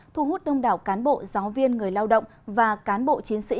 thu hút đông đảo cán bộ giáo viên người lao động và cán bộ chiến sĩ